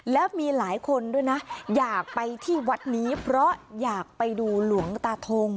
แล้วมีหลายคนด้วยนะอยากไปที่วัดนี้เพราะอยากไปดูหลวงตาทง